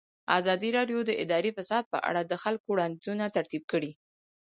ازادي راډیو د اداري فساد په اړه د خلکو وړاندیزونه ترتیب کړي.